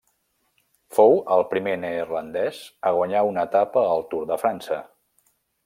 Fou el primer neerlandès a guanyar una etapa al Tour de França.